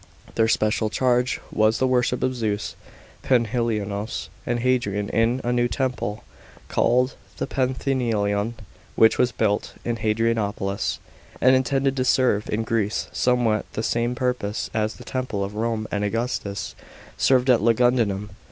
Their special charge was the worship of Zeus Panhellenios and Hadrian in a new temple called the Panhellenion, which was built in Hadrianopolis and intended to serve in Greece somewhat the same purpose as the temple of Rome and Augustus served at Lugudunum.